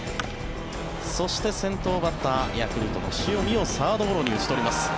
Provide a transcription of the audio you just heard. そして、先頭バッターヤクルトの塩見をサードゴロに打ち取ります。